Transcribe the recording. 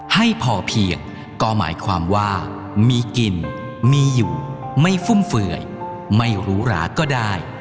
ให้พอเพียงก็หมายความว่ามีกินมีอยู่ไม่ฟุ่มเฟื่อยไม่รู้หราก็ได้